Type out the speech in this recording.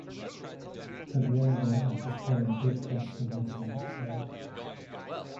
Cadwalader and his column did cross the river the next day.